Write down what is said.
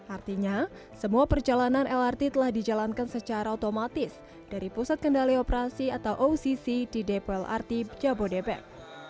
artinya semua perjalanan lrt telah dijalankan secara otomatis dari pusat kendali operasi atau occ di depo lrt jabodebek